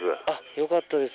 よかったです。